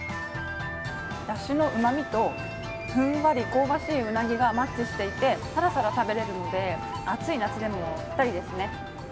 だしのうまみとふんわり香ばしいうなぎがマッチしていてさらさら食べられるので暑い夏でもぴったりですね。